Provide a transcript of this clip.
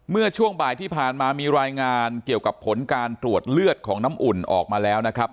เมื่อช่วงบ่ายที่ผ่านมามีรายงานเกี่ยวกับผลการตรวจเลือดของน้ำอุ่นออกมาแล้วนะครับ